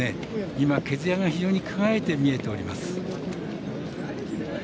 今、毛づやが非常に輝いて見えております。